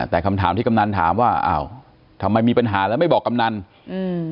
แต่คำถามที่กำนันถามว่าอ้าวทำไมมีปัญหาแล้วไม่บอกกำนันอืม